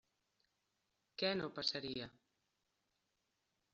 Què no passaria?